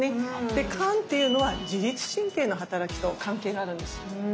で肝っていうのは自律神経のはたらきと関係があるんです。